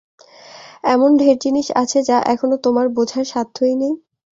এমন ঢের জিনিস আছে যা এখনো তোমার বোঝবার সাধ্যই নেই।